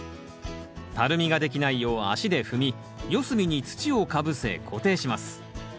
たるみができないよう足で踏み四隅に土をかぶせ固定します。